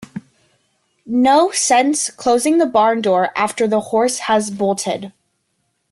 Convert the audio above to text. No sense closing the barn door after the horse has bolted.